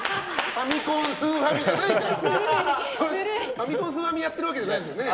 ファミコン、スーファミやっているわけじゃないですよね。